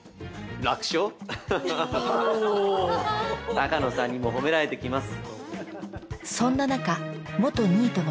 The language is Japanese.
鷹野さんにも褒められてきます。